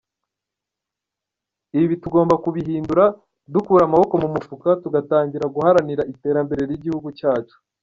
Ibi tugomba kubihindura, dukura amaboko mu mifuka tugatangira guharanira iterambere ry’igihugu cyacu.